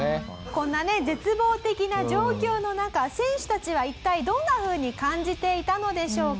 こんなね絶望的な状況の中選手たちは一体どんなふうに感じていたのでしょうか？